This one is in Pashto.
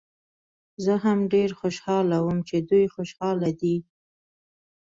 زه هم ډېر خوشحاله وم چې دوی خوشحاله دي.